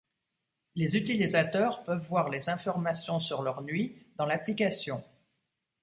Les utilisateurs peuvent voir les informations sur leurs nuits dans l'application.